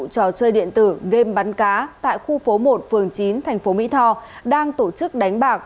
trò chơi điện tử game bắn cá tại khu phố một phường chín thành phố mỹ tho đang tổ chức đánh bạc